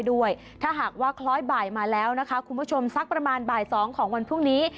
วักร้อยบ่ายมาแล้วนะคะคุณผู้ชมสักประมาณบ่ายสองของวันพรุ่งนี้